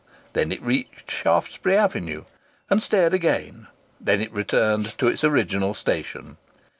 Then it reached Shaftesbury Avenue and stared again. Then it returned to its original station.